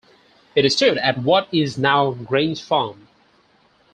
It stood at what is now Grange Farm.